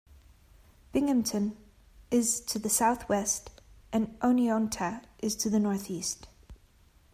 Binghamton is to the southwest, and Oneonta is to the northeast.